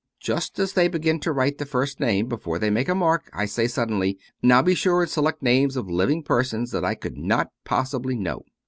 Just as they begin to write the first name, before they make a mark, I say suddenly, " Now be sure and select names of living persons that I could not possibly know."